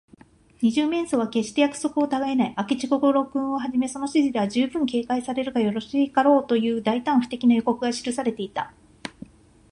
二十面相は、けっして約束をたがえない。明智小五郎君をはじめ、その筋では、じゅうぶん警戒されるがよろしかろう、という大胆不敵の予告が記されていた。